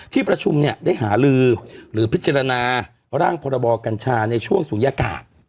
ที่ประชุมเนี่ยได้หาลือหรือพิจารณาร่างพรบกัญชาในช่วงศูนยากาศ